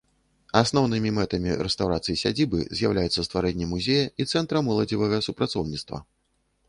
Асноўнымі мэтамі рэстаўрацыі сядзібы з'яўляюцца стварэнне музея і цэнтра моладзевага супрацоўніцтва.